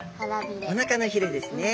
おなかのひれですね。